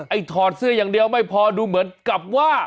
ถอดเสื้ออย่างเดียวไม่พอดูเหมือนกับว่า